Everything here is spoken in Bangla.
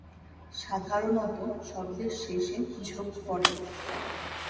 সাধারণত শব্দের শেষে ঝোঁক পড়ে।